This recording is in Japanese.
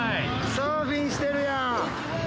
サーフィンしてるやん。